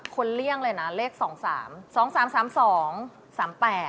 ควรเลี่ยงเลยนะเลขสองสาม